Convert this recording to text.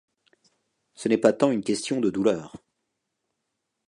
Ce n’est pas tant une question de douleur.